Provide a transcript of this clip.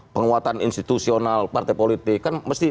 penguatan institusional partai politik